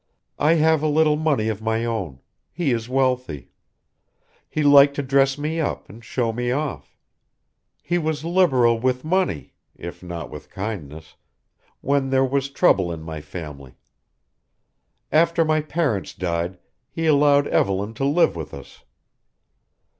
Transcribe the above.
I have a little money of my own: he is wealthy. He liked to dress me up and show me off. He was liberal with money if not with kindness when there was trouble in my family. After my parents died he allowed Evelyn to live with us.